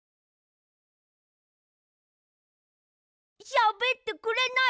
しゃべってくれない！